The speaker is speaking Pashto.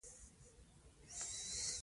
افغانان تر دښمن په تش لاس وو.